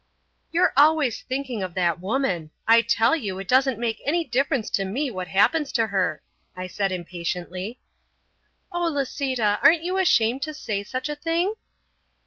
"You're always thinking of that woman. I tell you, it doesn't make any difference to me what happens to her," I said impatiently. "Oh, Lisita, aren't you ashamed to say such a thing?"